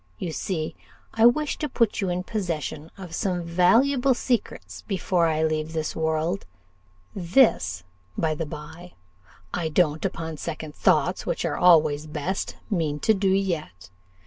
You see I wish to put you in possession of some valuable secrets before I leave this world this, by the bye, I don't, upon second thoughts, which are always best, mean to do yet.